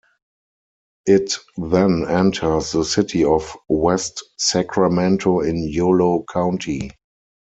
It then enters the city of West Sacramento in Yolo County.